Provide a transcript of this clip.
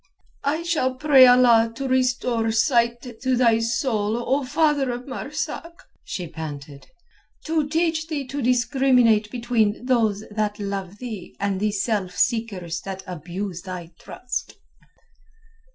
"I shall pray Allah to restore sight to thy soul, O father of Marzak," she panted, "to teach thee to discriminate between those that love thee and the self seekers that abuse thy trust."